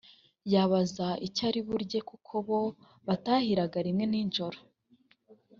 yabaza icyo ari burye kuko bo batahiraga rimwe ninjoro